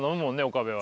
岡部は。